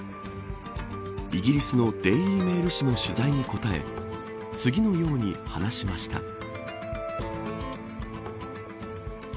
イギリスのデイリー・メール紙の取材に答え次のように話しました。